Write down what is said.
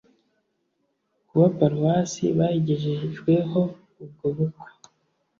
kuba paruwasi bayigejejweho ubwobukwe